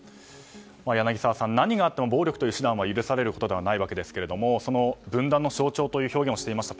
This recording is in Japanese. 柳澤さん、何があっても暴力という手段は許されることではないわけですがその分断の象徴という表現をしていました